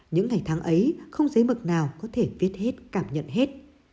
những ngày tháng ấy không giấy mực nào có thể viết hết cảm nhận hết